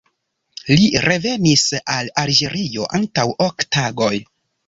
Li revenis el Alĝerio antaŭ ok tagoj.